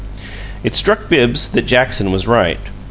It struck Bibbs that Jackson was right.